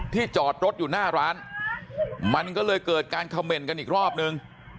จอดรถอยู่หน้าร้านมันก็เลยเกิดการเขม่นกันอีกรอบนึง